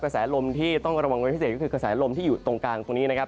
แสลมที่ต้องระวังเป็นพิเศษก็คือกระแสลมที่อยู่ตรงกลางตรงนี้นะครับ